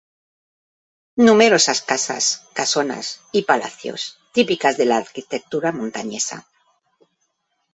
Numerosas casas, casonas y palacios, típicas de la arquitectura montañesa.